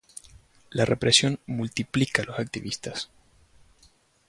La represión multiplica a los activistas